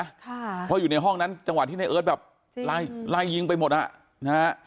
ค่ะเพราะอยู่ในห้องนั้นจังหวะที่ในเอิร์ทแบบไล่ไล่ยิงไปหมดอ่ะนะฮะ